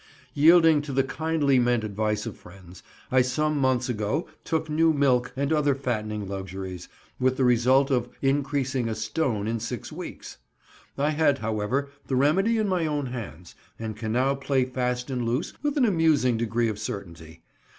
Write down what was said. Yielding to the kindly meant advice of friends, I some months ago took new milk and other fattening luxuries, with the result of increasing a stone in six weeks. I had, however, the remedy in my own hands, and can now play fast and loose with an amusing degree of certainty.